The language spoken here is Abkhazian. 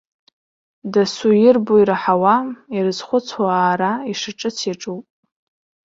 Дасу ирбо-ираҳауа ирызхәыцуа аара ишаҿыц иаҿуп.